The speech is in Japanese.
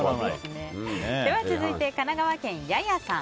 続いて、神奈川県の方。